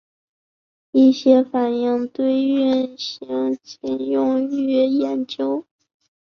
一些反应堆运行仅用于研究。